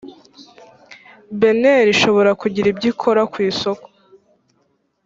bnr ishobora kugira ibyo ikora ku isoko